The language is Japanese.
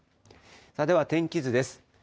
では天気図です。